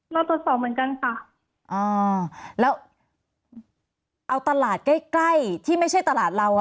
เราตรวจสอบเหมือนกันค่ะอ่าแล้วเอาตลาดใกล้ใกล้ที่ไม่ใช่ตลาดเราอ่ะ